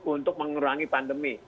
untuk mengurangi pandemi